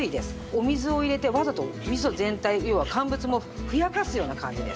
お水を入れてわざと味噌全体要は乾物もふやかすような感じです。